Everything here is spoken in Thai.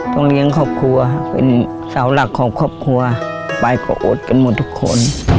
เลี้ยงครอบครัวเป็นสาวหลักของครอบครัวไปก็อดกันหมดทุกคน